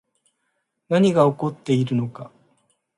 何が起こっているのか